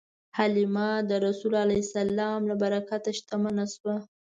حلیمه د رسول الله ﷺ له برکته شتمنه شوه.